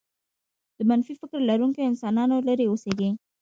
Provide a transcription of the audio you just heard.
د منفي فكر لرونکو انسانانو لرې اوسېږئ.